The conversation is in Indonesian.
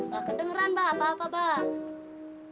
nggak kedengeran bah apa apa bah